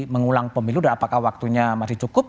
mengulang pemilu dan apakah waktunya masih cukup